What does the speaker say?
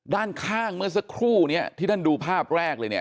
ด้านข้างเมื่อสักครู่นี้ที่ท่านดูภาพแรกเลยเนี่ย